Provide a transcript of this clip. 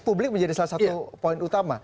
publik menjadi salah satu poin utama